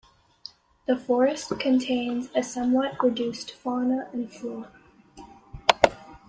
The forest contains a somewhat reduced fauna and flora.